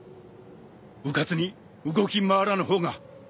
うかつに動き回らぬ方が。